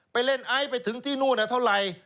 ไปเล่นไอซ์ไปถึงที่นู่นเท่าไหร่